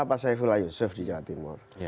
atau saifula yusuf di jawa timur